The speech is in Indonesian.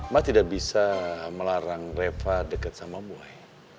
mas tidak bisa melarang reva deket sama boy